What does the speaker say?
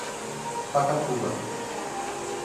Pacatuba